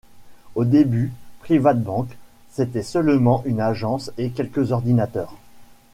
Au début, PrivatBank c’était seulement une Agence et quelques ordinateurs.